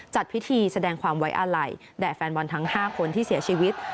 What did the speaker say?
จัดพิธีแสดงความไว้อาลัยแด่แฟนบอลทั้ง๕คนที่เสียชีวิต